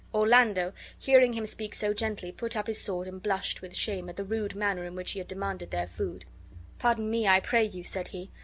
Orlando, hearing him speak so gently, put up his sword and blushed with shame at the rude manner in which he had demanded their food. "Pardon me, I pray you," said he.